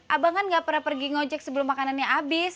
abang kan gak pernah pergi ngojek sebelum makanannya habis